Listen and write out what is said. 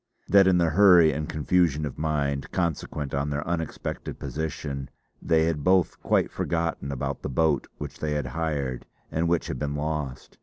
That in the hurry and confusion of mind, consequent on their unexpected position, they had both quite forgotten about the boat which they had hired and which had been lost.